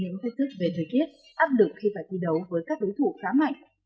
những thách thức về thời tiết áp lực khi phải thi đấu với các đối thủ khá mạnh